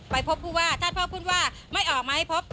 ไปพบผู้ว่าถ้าพ่อพูดว่าไม่ออกมาให้พบ